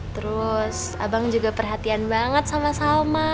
terus abang juga perhatian banget sama sama